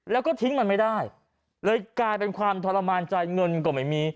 แล้วก็ทิ้งมันไม่ได้เลยกลายเป็นความทรมานใจเงินก็ไม่มี